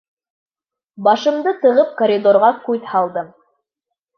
Башымды тығып, коридорға күҙ һалдым.